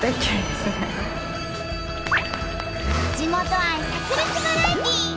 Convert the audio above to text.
地元愛さく裂バラエティー！